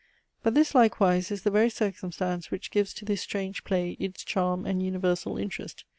But this likewise is the very circumstance which gives to this strange play its charm and universal interest.